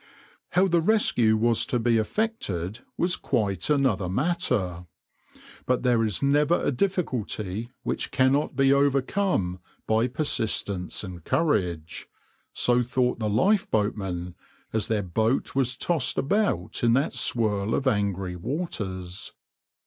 \par How the rescue was to be effected was quite another matter, but there is never a difficulty which cannot be overcome by persistence and courage. So thought the lifeboatmen, as their boat was tossed about in that swirl of angry waters.